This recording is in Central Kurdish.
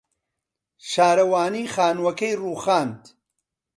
شارەوانی خانووەکەی رووخاندن.